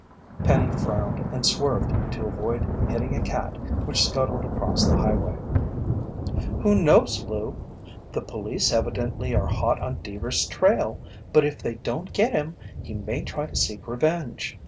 Penny frowned and swerved to avoid hitting a cat which scuttled across the highway. "Who knows, Lou? The police evidently are hot on Deevers' trail, but if they don't get him, he may try to seek revenge.